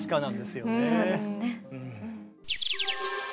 そうですね。